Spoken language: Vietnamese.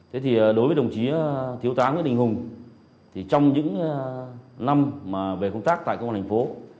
thế thì đối với đồng chí thiếu tá nguyễn đình hùng thì trong những năm mà về công tác tại công an thành phố